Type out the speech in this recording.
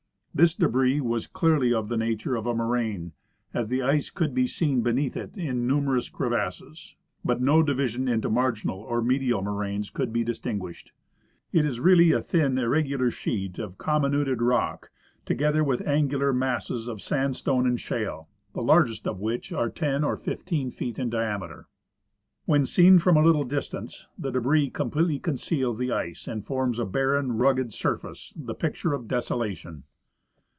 This debris was clearly of the nature of a moraine, as the ice could be seen beneath it in numerous crevasses; but no division into marginal or medial moraines could be distinguished. It is really a thin, irregular sheet of comminuted rock, together with angular masses of sandstone and shale, the largest of which are ten or fifteen feet in diameter. When seen from a little distance the debris completely conceals the ice and forms a barren, rugged surface, the picture of desola tion.